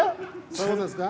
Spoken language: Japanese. そうですか？